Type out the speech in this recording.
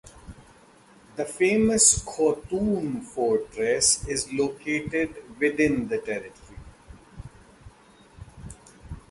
The famous Khotyn Fortress is located within the territory.